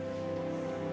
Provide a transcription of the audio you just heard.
ya ya banyak banget